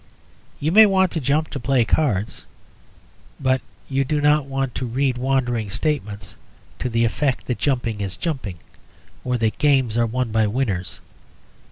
You may want to jump or to play cards; but you do not want to read wandering statements to the effect that jumping is jumping, or that games are won by winners.